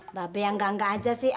mbak be yang ganggah aja sih